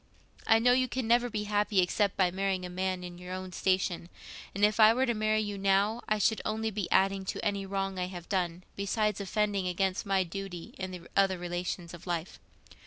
I know you can never be happy except by marrying a man in your own station; and if I were to marry you now, I should only be adding to any wrong I have done, besides offending against my duty in the other relations of life.